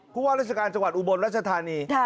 ว่าราชการจังหวัดอุบลรัชธานี